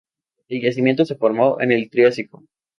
El yacimiento se formó en el Triásico.